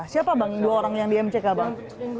siapa bang dua orang yang di mck bang